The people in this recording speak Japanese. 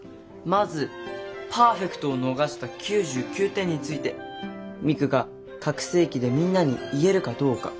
まずパーフェクトを逃した９９点についてミクが拡声機でみんなに言えるかどうか。